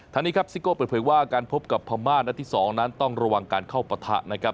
ทางนี้ครับซิโก้เปิดเผยว่าการพบกับพม่านัดที่๒นั้นต้องระวังการเข้าปะทะนะครับ